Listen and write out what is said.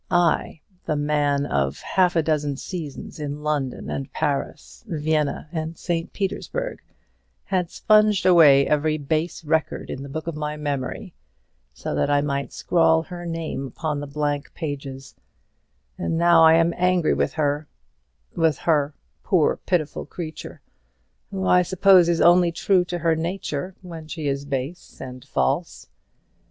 I, the man of half a dozen seasons in London and Paris, Vienna and St. Petersburg, had sponged away every base record in the book of my memory, so that I might scrawl her name upon the blank pages; and now I am angry with her with her, poor pitiful creature, who I suppose is only true to her nature when she is base and false.